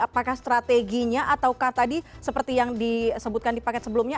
apakah strateginya ataukah tadi seperti yang disebutkan di paket sebelumnya